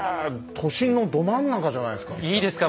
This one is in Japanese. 都心のど真ん中じゃないですか。